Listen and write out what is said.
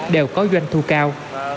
đều có doanh thu cao